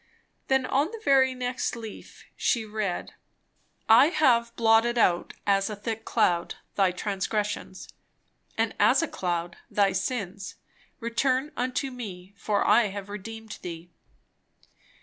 Then on the very next leaf she read "I have blotted out, as a thick cloud, thy transgressions, and as a cloud thy sins; return unto me; for I have redeemed thee."